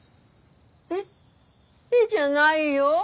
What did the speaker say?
「え？」じゃないよ。